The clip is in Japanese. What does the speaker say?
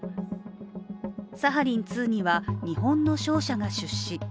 サハリン２には、日本の商社が出資。